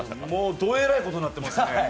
どえらいことになってますね。